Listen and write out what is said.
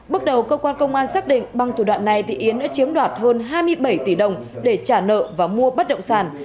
bước đầu cơ quan công an xác định bằng thủ đoạn này thì yến đã chiếm đoạt hơn hai mươi bảy tỷ đồng để trả nợ và mua bất động sản